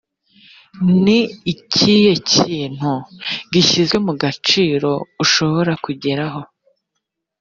ni ikihe kintu gishyize mu gaciro ushobora kugeraho?